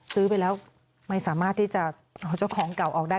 ซื้อไปแล้วไม่สามารถที่จะเอาเจ้าของเก่าออกได้